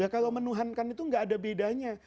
kalau menuhankan itu nggak ada bedanya